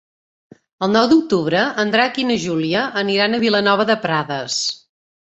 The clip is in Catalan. El nou d'octubre en Drac i na Júlia aniran a Vilanova de Prades.